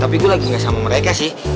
tapi gue lagi gak sama mereka sih